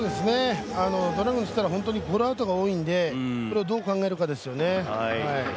ドラゴンズからゴロアウトが多いんでこれをどう考えるかですよね。